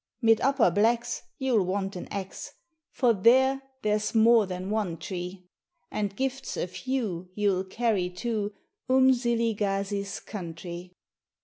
Mid upper blacks you'll want an axe, For there there's more than one tree; And gifts a few you'll carry to Umziligazi's country.